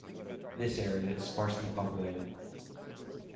This area is sparsely populated.